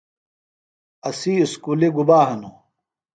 اسی اُسکُلیۡ گُبا ہِنوۡ؟